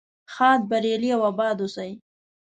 ښاد بریالي او اباد اوسئ.